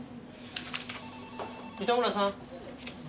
糸村さん。